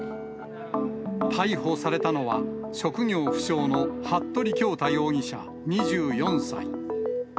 逮捕されたのは、職業不詳の服部恭太容疑者２４歳。